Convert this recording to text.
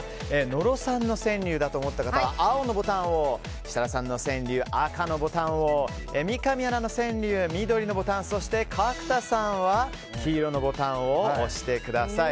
野呂さんの川柳だと思った方は青のボタンを設楽さんの川柳は赤のボタンを三上アナの川柳は緑のボタンを角田さんは黄色のボタンを押してください。